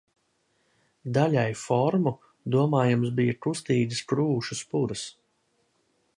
Daļai formu, domājams, bija kustīgas krūšu spuras.